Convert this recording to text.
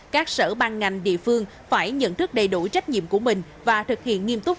các sở ban ngành địa phương phải nhận thức đầy đủ trách nhiệm của mình và thực hiện nghiêm túc